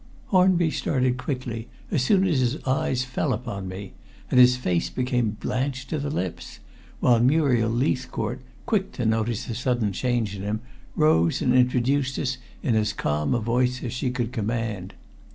Hornby started quickly as soon as his eyes fell upon me, and his face became blanched to the lips, while Muriel Leithcourt, quick to notice the sudden change in him, rose and introduced us in as calm a voice as she could command.